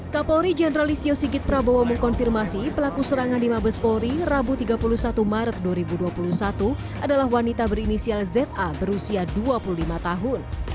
kapolri jenderal istio sigit prabowo mengkonfirmasi pelaku serangan di mabes polri rabu tiga puluh satu maret dua ribu dua puluh satu adalah wanita berinisial za berusia dua puluh lima tahun